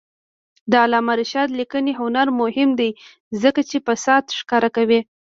د علامه رشاد لیکنی هنر مهم دی ځکه چې فساد ښکاره کوي.